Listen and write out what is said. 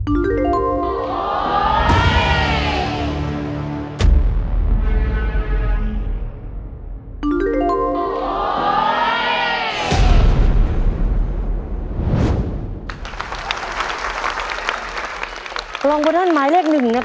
หนึ่งล้านหนึ่งล้านหนึ่งล้าน